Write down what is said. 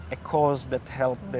alasan yang membantu